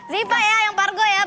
ziva ya yang pargo ya